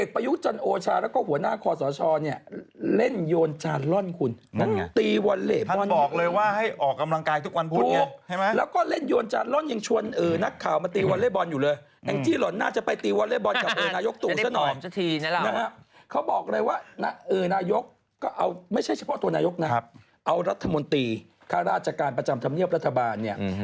ภาระจากการประจำธรรมเนียบรัฐบาล